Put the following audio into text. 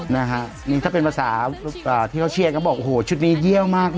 นะฮะนี่ถ้าเป็นภาษาที่เขาเชียร์ก็บอกโอ้โหชุดนี้เยี่ยวมาก